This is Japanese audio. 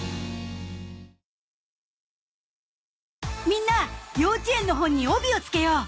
みんな幼稚園の本に帯をつけよう